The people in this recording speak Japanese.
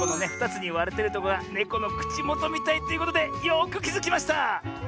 ２つにわれてるとこがネコのくちもとみたいということでよくきづきました！